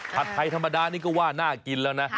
ไทยธรรมดานี่ก็ว่าน่ากินแล้วนะ